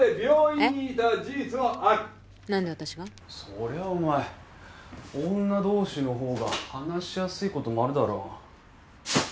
そりゃお前女同士の方が話しやすいこともあるだろう。